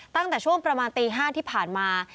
ตั้งแต่ช่วงประมาณตี๕ที่ผ่านมา